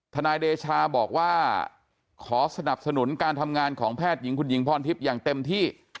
นายเดชาบอกว่าขอสนับสนุนการทำงานของแพทย์หญิงคุณหญิงพรทิพย์อย่างเต็มที่